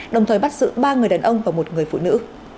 đồng thời bắt giữ ba người đàn ông và một người phụ nữ